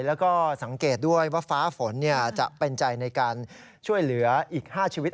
แล้วก็สังเกตด้วยว่าฟ้าฝนจะเป็นใจในการช่วยเหลืออีก๕ชีวิต